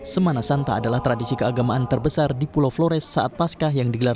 semana santa adalah tradisi keagamaan terbesar di pulau flores saat pascah yang digelar